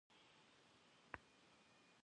Ar vueri seri tş'erkhım.